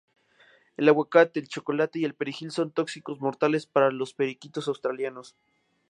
El aguacate, el chocolate y el perejil son tóxicos mortales para los periquitos australianos.